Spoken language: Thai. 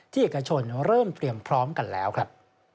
เอกชนเริ่มเตรียมพร้อมกันแล้วครับ